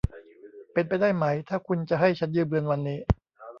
เป็นไปได้ไหม ถ้าคุณจะให้ฉันยืมเงินวันนี้